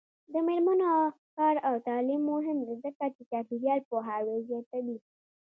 د میرمنو کار او تعلیم مهم دی ځکه چې چاپیریال پوهاوی زیاتوي.